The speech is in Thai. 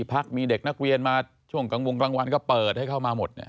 พี่พักมีเด็กนักเวียนมาช่วงวงกลางวันก็เปิดให้เข้ามาหมด